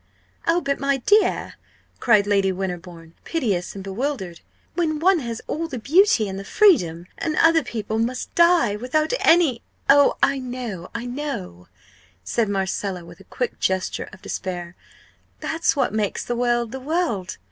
"Oh, but, my dear!" cried Lady Winterbourne, piteous and bewildered, "when one has all the beauty and the freedom and other people must die without any " "Oh, I know, I know!" said Marcella, with a quick gesture of despair; "that's what makes the world the world.